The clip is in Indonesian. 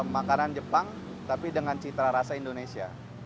makanan jepang tapi dengan cita rasa indonesia